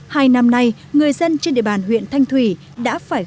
hai năm nay người dân trên địa bàn huyện thanh thùy đã phải gặp